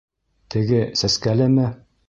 Теге сәскәлеме?